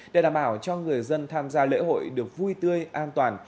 để đảm bảo cho người dân tham gia lễ hội được vui tươi an toàn